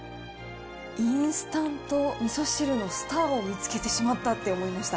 インスタントみそ汁のスターを見つけてしまったって思いました。